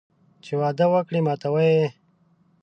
چې وعده وکړي ماتوي یې